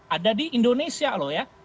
ada di indonesia loh ya